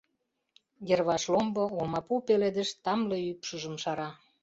Йырваш ломбо, олмапу пеледыш тамле ӱпшыжым шара.